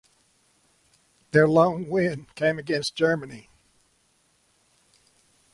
Their lone win came against Germany.